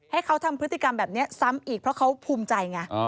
ให้เขาทำพฤติกรรมแบบนี้ซ้ำอีกเพราะเขาภูมิใจไง